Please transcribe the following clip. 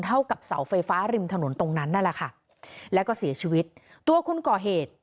เท่ากับเสาไฟฟ้าริมถนนตรงนั้นนั่นแหละค่ะแล้วก็เสียชีวิตตัวคนก่อเหตุ